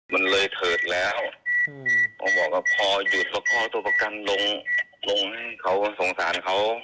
มันเลยเถิดแล้วผมบอกว่าพอหยุดแล้วก็เอาตัวประกันลงลงให้เขาสงสารเขา